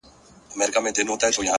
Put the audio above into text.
هره ورځ د اصلاح نوې دروازه ده.!